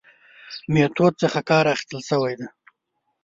میتود څخه کار اخستل شوی دی.